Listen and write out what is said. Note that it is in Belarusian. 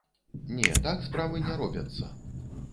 Не, так справы не робяцца!